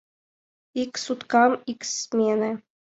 Ик суткам — ик смене.